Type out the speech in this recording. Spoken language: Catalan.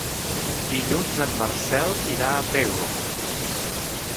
Dilluns en Marcel irà a Pego.